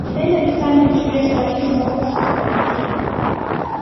— Валерий Александрович уэш Васюш могырыш савырныш.